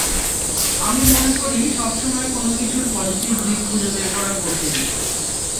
আমি মনে করি সবসময় কোনো কিছুর পজিটিভ দিক খুঁজে বের করা কঠিন।